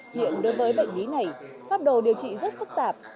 hiện đối với bệnh lý này pháp đồ điều trị rất phức tạp